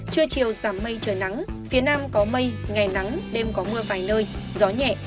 trưa chiều giảm mây trời nắng phía nam có mây ngày nắng đêm có mưa vài nơi gió nhẹ